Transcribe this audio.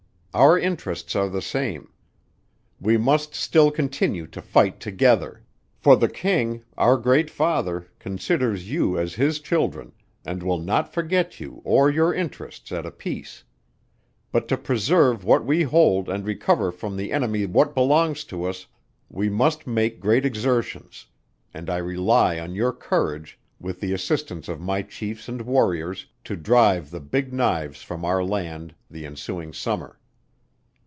Our interests are the same we must still continue to fight together: for the King, our great father, considers you as his children, and will not forget you or your interests at a peace. But to preserve what we hold, and recover from the enemy what belongs to us, we must make great exertions; and I rely on your courage, with the assistance of my chiefs and warriors, to drive the big knives from our land the ensuing summer.